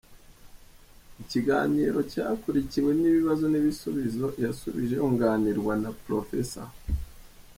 Ikiganiro cyakurikiwe n’ibibazo n’ibisubizo yasubije yunganirwa na Prof.